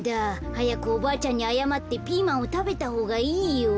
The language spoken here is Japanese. はやくおばあちゃんにあやまってピーマンをたべたほうがいいよ。